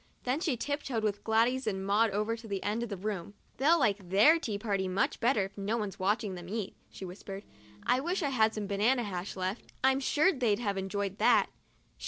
Then she tiptoed with Gladys and Maud over to the end of the room. " They'll like their tea party much better if no one's watching them eat," she whispered. " I wish I had some banana hash left; I'm sure they'd have enjoyed that.